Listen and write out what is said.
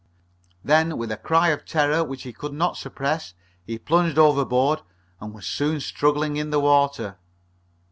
Then, with a cry of terror which he could not suppress, he plunged overboard and was soon struggling in the water.